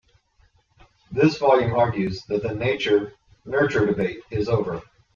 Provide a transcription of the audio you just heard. This volume argues that the nature-nurture debate is over.